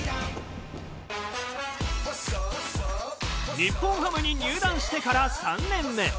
日本ハムに入団してから３年目。